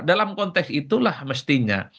dalam konteks itulah mestinya